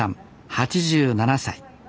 ８７歳。